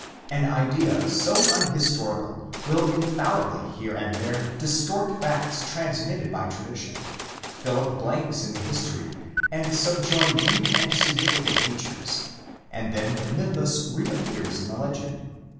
An idea so unhistorical will infallibly here and there distort facts transmitted by tradition, fill up blanks in the history, and subjoin new and significant features—and then the mythus reappears in the legend.